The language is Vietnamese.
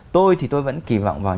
tôi thì tôi vẫn kỳ vọng vào